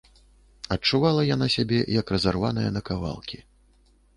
Адчувала яна сябе, як разарваная на кавалкі.